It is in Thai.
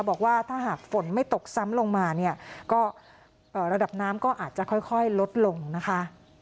บอกว่าถ้าหากฝนไม่ตกซ้ำลงมาเนี่ยก็ระดับน้ำก็อาจจะค่อยลดลงนะคะ